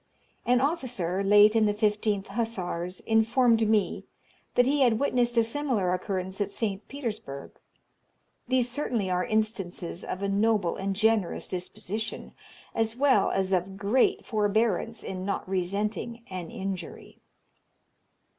An officer, late in the 15th Hussars, informed me that he had witnessed a similar occurrence at St. Petersburg. These certainly are instances of a noble and generous disposition, as well as of great forbearance in not resenting an injury.